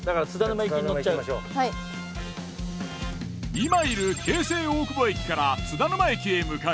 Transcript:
今いる京成大久保駅から津田沼駅へ向かい